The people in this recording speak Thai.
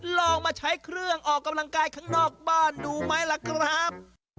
ลองมาใช้เครื่องออกกำลังกายข้างนอกบ้านดูไหมล่ะครับ